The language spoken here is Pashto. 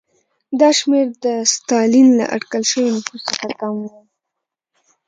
دا شمېر د ستالین له اټکل شوي نفوس څخه کم و.